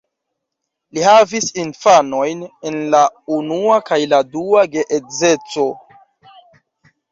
Li havis infanojn el la unua kaj la dua geedzeco.